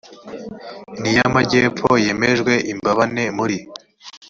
n iy amajyepfo yemerejwe i mbabane muri